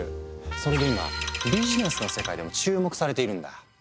それで今ビジネスの世界でも注目されているんだ。